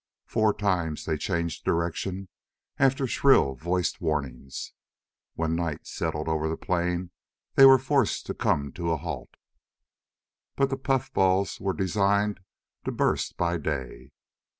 Four times they changed direction after shrill voiced warnings. When night settled over the plain they were forced to come to a halt. But the puffballs were designed to burst by day.